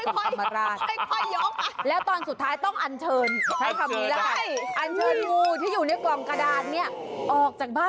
อ่ะถ้าเจอขนาดงี้ละตะโกนสุดเสียงเลยว่า